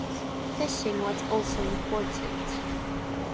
Fishing was also important.